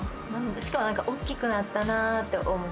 しかもおっきくなったなって思う。